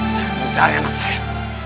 saya mencari anak saya